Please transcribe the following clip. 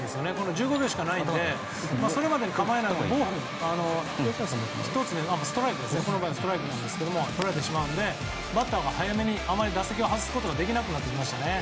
１５秒しかないのでそれまでに構えないとこの場合、１つストライクなんですがストライクをとられてしまうのでバッターはあまり早めに打席を外すことができなくなってきましたね。